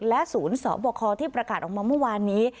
และศูนย์สบคที่ประกาศออกมาเมื่อวานนี้